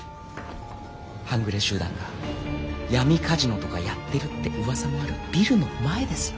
半グレ集団が闇カジノとかやってるってうわさもあるビルの前ですよ。